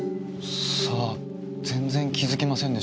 さあ全然気づきませんでしたけど。